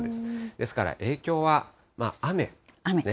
ですから影響は雨ですね。